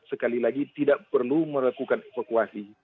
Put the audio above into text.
sekali lagi tidak perlu melakukan evakuasi